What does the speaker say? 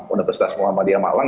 universitas muhammadiyah malang